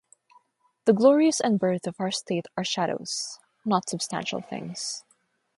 The glories and birth of our state are shadows, not substantial things.